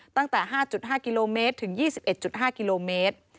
ตั้งแต่๕๕กิโลเมตรถึง๒๑๕กิโลเมตร